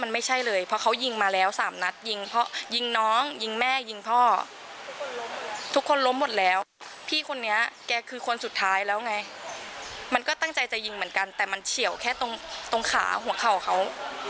มันไม่ใช่เลยเพราะเขายิงมาแล้วสามนัดยิงเพราะยิงน้องยิงแม่ยิงพ่อทุกคนล้มหมดแล้วพี่คนนี้แกคือคนสุดท้ายแล้วไงมันก็ตั้งใจจะยิงเหมือนกันแต่มันเฉียวแค่ตรงตรงขาหัวเข่าเขา